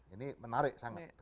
ini menarik sangat